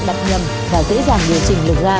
đập nhầm và dễ dàng điều chỉnh lực ga